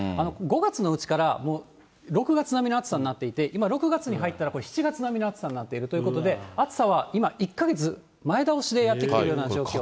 ５月のうちから６月並みの暑さになっていて、今、６月に入ったら７月並みの暑さになっているということで、暑さは今、１か月前倒しでやってきているような状況。